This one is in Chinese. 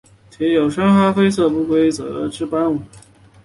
体有深咖啡色不规则之斑纹。